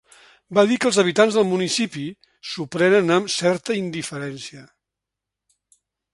Va dir que els habitants del municipi s’ho prenen amb ‘certa indiferència’.